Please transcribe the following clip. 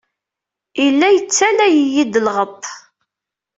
Yella yettaley-iyi-d lɣeṭṭ.